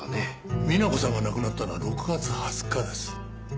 みな子さんが亡くなったのは６月２０日です。